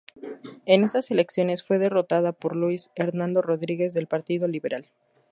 En esas elecciones fue derrotado por Luis Hernando Rodríguez del Partido Liberal.